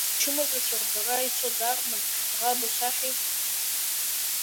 Ачымазацәа рбара ицо дарбан ӡӷабу саҳәеи!